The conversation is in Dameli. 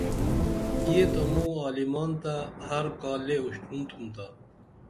یہ تہ عالِمان تہ موں ہر کا لے اُشتُرون تُھمتا